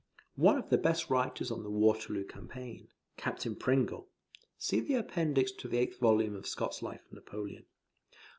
One of the best writers on the Waterloo campaign, Captain Pringle, [See the Appendix to the 8th volume of Scott's Life of Napoleon.